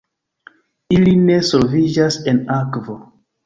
Ili ne solviĝas en akvo.